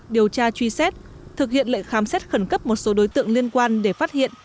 điều tra truy xét thực hiện lệnh khám xét khẩn cấp một số đối tượng liên quan để phát hiện